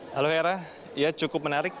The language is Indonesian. halo hera ia cukup menarik